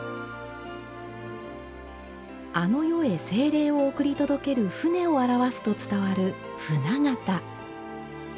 あの世へ精霊を送り届ける船を表すと伝わる「船形」。